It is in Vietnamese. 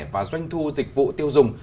và doanh thu dịch vụ tiêu dùng